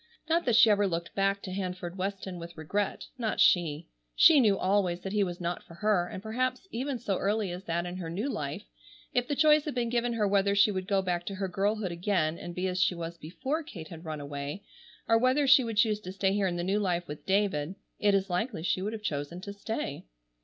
Not that she ever looked back to Hanford Weston with regret, not she. She knew always that he was not for her, and perhaps, even so early as that in her new life, if the choice had been given her whether she would go back to her girlhood again and be as she was before Kate had run away, or whether she would choose to stay here in the new life with David, it is likely she would have chosen to stay.